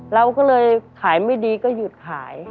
เราก็เลยขายไม่ดีก็หยุดขาย